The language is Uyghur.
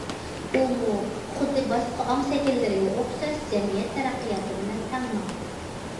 ئۇمۇ خۇددى باشقا ئاڭ شەكىللىرىگە ئوخشاش جەمئىيەت تەرەققىياتى بىلەن تەڭ ماڭىدۇ.